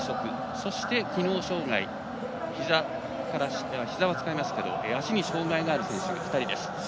そして機能障がいひざは使えますけれども足に障がいのある選手が２人です。